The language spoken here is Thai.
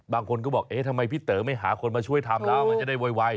บางคนก็บอกเอ๊ะทำไมฟัฐงี้ไม่หาคนมาช่วยทำแล้ว